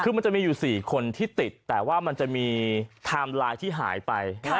คือมันจะมีอยู่๔คนที่ติดแต่ว่ามันจะมีไทม์ไลน์ที่หายไป